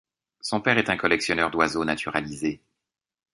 Son père est un collectionneur d’oiseaux naturalisés.